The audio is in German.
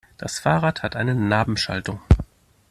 Das Fahrrad hat eine Narbenschaltung.